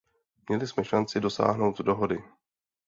Měli jsme šanci dosáhnout dohody.